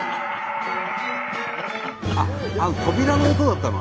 あっあの扉の音だったの？